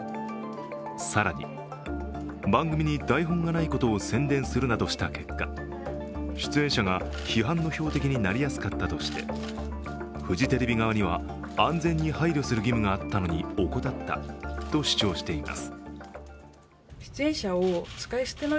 更に、番組に台本がないことを宣伝するなどした結果出演者が批判の標的になりやすかったとしてフジテレビ側には安全に配慮する義務があったのに怠ったと主張しています。